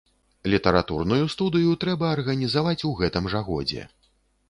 Літаратурную студыю трэба арганізаваць у гэтым жа годзе.